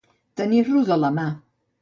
Tenir-lo de la mà.